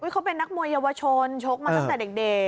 เขาเป็นนักมวยเยาวชนชกมาตั้งแต่เด็ก